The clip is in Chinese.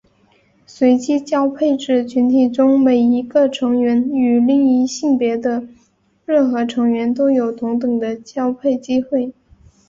随机交配指群体中每一个成员与另一性别的任何成员都有同等的交配机会。